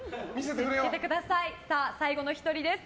最後の１人です。